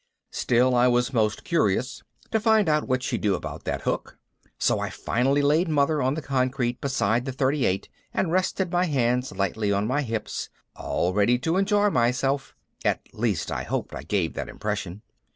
Still, I was most curious to find out what she'd do about that hook, so I finally laid Mother on the concrete beside the .38 and rested my hands lightly on my hips, all ready to enjoy myself at least I hoped I gave that impression.